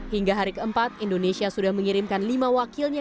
hingga hari keempat indonesia sudah mengirimkan lima wakilnya